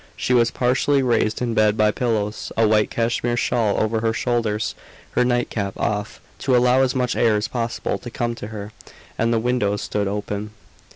She was partially raised in bed by pillows, a white Cashmere shawl over her shoulders, her nightcap off, to allow as much air as possible to come to her, and the windows stood open.